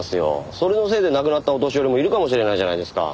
それのせいで亡くなったお年寄りもいるかもしれないじゃないですか。